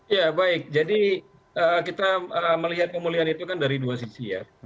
ya baik jadi kita melihat pemulihan itu kan dari dua sisi ya